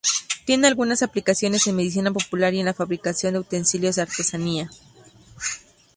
Tiene algunas aplicaciones en medicina popular y en la fabricación de utensilios de artesanía.